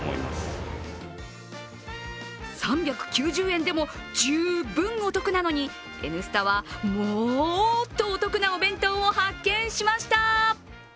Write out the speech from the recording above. ３９０円でも十分お得なのに「Ｎスタ」は、もーっとお得なお弁当を発見しました。